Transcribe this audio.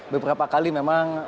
beberapa kali memang